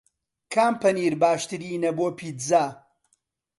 کام پەنیر باشترینە بۆ پیتزا؟